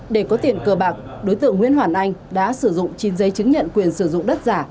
để có tiền cờ bạc đối tượng nguyễn hoàn anh đã sử dụng chín giấy chứng nhận quyền sử dụng đất giả